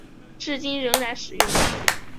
至今仍然使用。